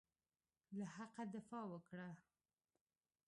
له حقه دفاع وکړه.